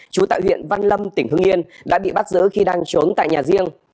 trú tại huyện văn lâm tỉnh hưng yên đã bị bắt giữ khi đang trốn tại nhà riêng